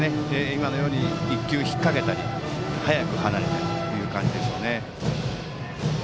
今のように１球引っ掛けたり早く離れたりという感じでしょうね。